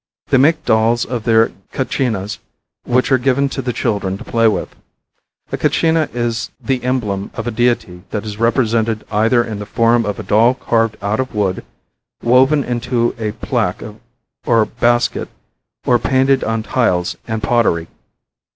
They make dolls of their Katcinas which are given to the children to play with. A Katcina is the emblem of a deity that is represented either in the form of a doll carved out of wood, woven into a plaque or basket, or painted on tiles and pottery.